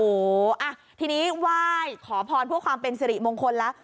โอ้โฮทีนี้วายขอพรพวกความเป็นสิริมงคลละ